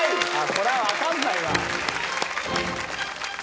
これはわかんないわ。